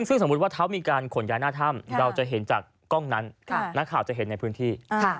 ซึ่งสมมุติว่าเขามีการขนย้ายหน้าถ้ำเราจะเห็นจากกล้องนั้นนักข่าวจะเห็นในพื้นที่